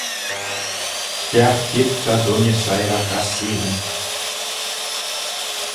Stiark keayrt ta dooinney siyrragh ass seaghyn